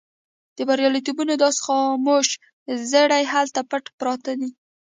د برياليتوبونو داسې خاموش زړي هلته پټ پراته دي.